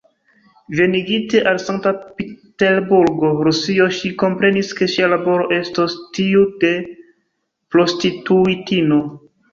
Venigite al Sankt-Peterburgo, Rusio, ŝi komprenis, ke ŝia laboro estos tiu de prostituitino.